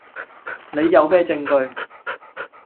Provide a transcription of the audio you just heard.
你有咩證據?